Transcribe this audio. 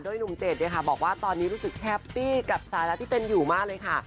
หนุ่มเจ็ดบอกว่าตอนนี้รู้สึกแฮปปี้กับสาระที่เป็นอยู่มากเลยค่ะ